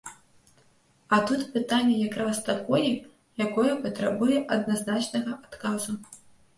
А тут пытанне якраз такое, якое патрабуе адназначнага адказу.